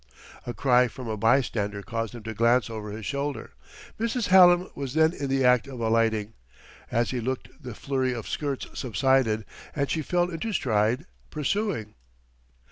A cry from a bystander caused him to glance over his shoulder; Mrs. Hallam was then in the act of alighting. As he looked the flurry of skirts subsided and she fell into stride, pursuing.